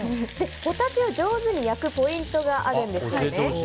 ホタテを上手に焼くポイントがあるんですよね。